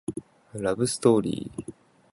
ラブストーリー